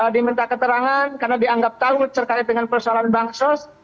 diminta keterangan karena dianggap tahu terkait dengan persoalan bansos